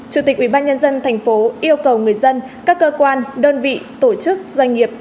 chủ tịch ubnd tp yêu cầu người dân các cơ quan đơn vị tổ chức doanh nghiệp